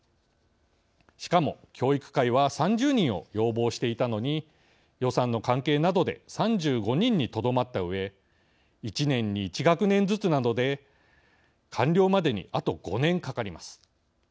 しかも、教育界は３０人を要望していたのに予算の関係などで３５人にとどまったうえ１年に１学年ずつなので完了までにあと５年かかります。